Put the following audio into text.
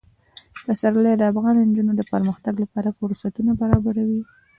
پسرلی د افغان نجونو د پرمختګ لپاره فرصتونه برابروي.